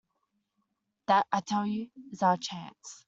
That, I tell you, is our chance.